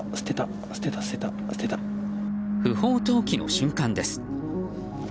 不法投棄の瞬間です。